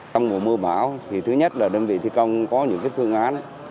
trong mùa mưa bão thì thứ nhất là đơn vị thi công có những phương án